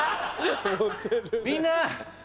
みんな！